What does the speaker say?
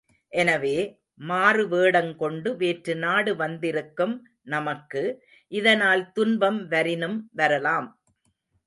எனவே, மாறு வேடங்கொண்டு வேற்றுநாடு வந்திருக்கும் நமக்கு, இதனால் துன்பம் வரினும் வரலாம்.